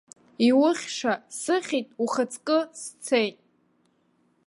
Иухьша сыхьит, ухаҵкы сцеит.